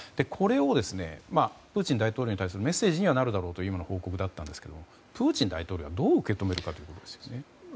これをプーチン大統領に対するメッセージになるだろうという今の報告だったんですがプーチン大統領はどう受け止めるかですよね。